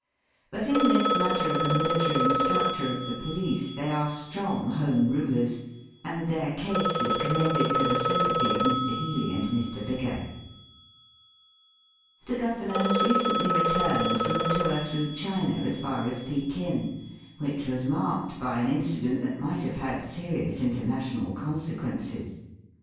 '' But in this matter of a military instructor of the police they are strong Home Eulers, and their case is commended to the sympathy of Mr. Healy and Mr. Biggar. The governor has recently returned from a tour through China as far as Pekin, which was marked by an incident that might have had serious international consequences.